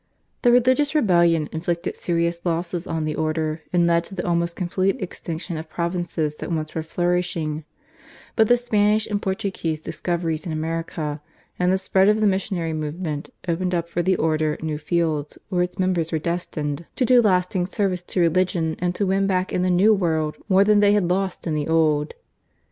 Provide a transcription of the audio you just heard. The religious rebellion inflicted serious losses on the order and led to the almost complete extinction of provinces that once were flourishing; but the Spanish and Portuguese discoveries in America and the spread of the missionary movement opened up for the order new fields, where its members were destined to do lasting service to religion and to win back in the New World more than they had lost in the Old.